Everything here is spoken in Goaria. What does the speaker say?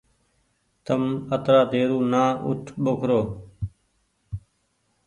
تم اترآ ديرو نآ اوٺ ٻوکرو۔